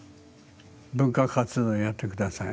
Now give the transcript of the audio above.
文化活動やって下さい。